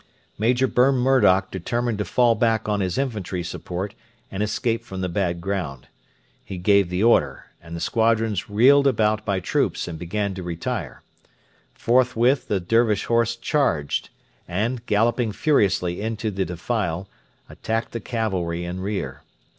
Major Burn Murdoch determined to fall back on his infantry support and escape from the bad ground. He gave the order, and the squadrons wheeled about by troops and began to retire. Forthwith the Dervish horse charged, and, galloping furiously into the defile, attacked the cavalry in rear.